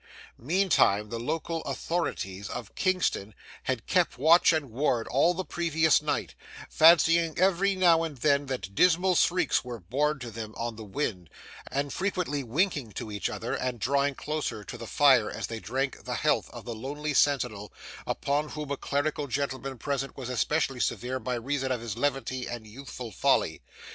Meantime the local authorities of Kingston had kept watch and ward all the previous night, fancying every now and then that dismal shrieks were borne towards them on the wind, and frequently winking to each other, and drawing closer to the fire as they drank the health of the lonely sentinel, upon whom a clerical gentleman present was especially severe by reason of his levity and youthful folly.